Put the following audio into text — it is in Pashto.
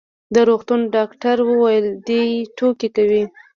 د روغتون ډاکټر وویل: دی ټوکې کوي.